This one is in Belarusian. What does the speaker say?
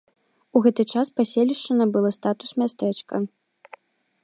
У гэты час паселішча набыла статус мястэчка.